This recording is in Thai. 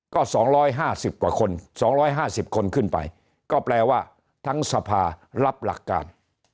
ก็๒๕๐กว่าคน๒๕๐คนขึ้นไปก็แปลว่าทั้งสภารับหลักการ